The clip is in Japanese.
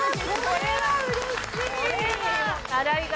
これはうれしい。